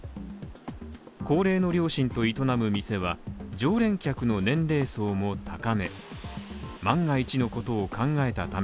高齢の両親と営む店は常連客の年齢層も高め。